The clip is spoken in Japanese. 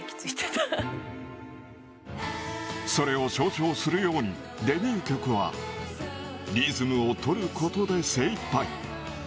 それを象徴するように、デビュー曲は、リズムを取ることで精いっぱい。